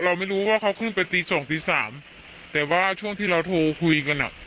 เราไม่รู้ว่าเขาขึ้นไปตีสองตีสามแต่ว่าช่วงที่เราโทรคุยกันอ่ะ